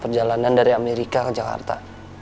perjalanan dari amerika ke jakarta